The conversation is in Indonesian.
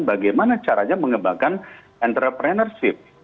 bagaimana caranya mengembangkan entrepreneurship